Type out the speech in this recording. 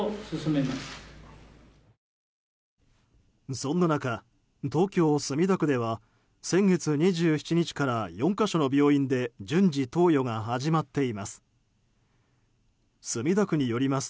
そんな中、東京・墨田区では先月２７日から４か所の病院で順次投与が始まっています。